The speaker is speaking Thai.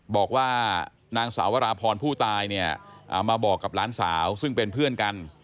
บอกว่านางสาววราพรผู้ตายเนี่ยมาบอกกับหลานสาวซึ่งเป็นเพื่อนกัน